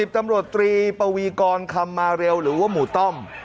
ตำรวจตรีปวีกรคำมาเร็วหรือว่าหมู่ต้อม